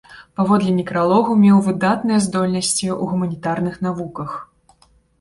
Паводле некралогу меў выдатныя здольнасці ў гуманітарных навуках.